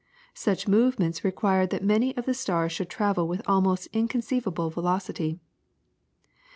Such movements required that many of the stars should travel with almost inconceivable velocity.